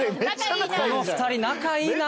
この２人仲いいな。